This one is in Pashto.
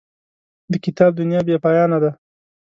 د کتاب دنیا بې پایانه ده.